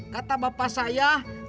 kata bapak saya kebersihan itu ada di dalam